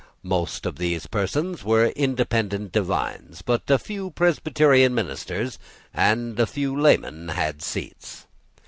Most of these persons were Independent divines; but a few Presbyterian ministers and a few laymen had seats.